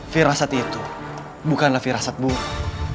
firasat itu bukanlah firasat buruk